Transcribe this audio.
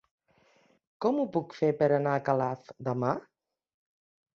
Com ho puc fer per anar a Calaf demà?